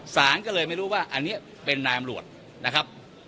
สารก็เลยไม่รู้ว่าอันนี้เป็นนายอำรวจนะครับ